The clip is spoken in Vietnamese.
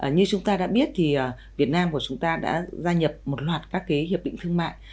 như chúng ta đã biết thì việt nam của chúng ta đã gia nhập một loạt các hiệp định thương mại